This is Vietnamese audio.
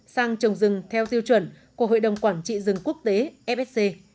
sang trồng rừng theo tiêu chuẩn của hội đồng quản trị rừng quốc tế fsc